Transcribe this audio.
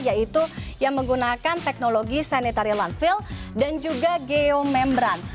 yaitu yang menggunakan teknologi sanitary landfill dan juga geomembran